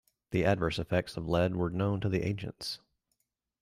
The adverse effects of lead were known to the ancients.